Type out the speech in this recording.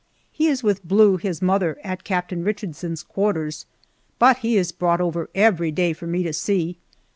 He is with Blue, his mother, at Captain Richardson's quarters, but he is brought over every day for me to see.